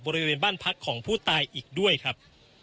บริเวณบ้านพักของผู้ตายอีกด้วยครับ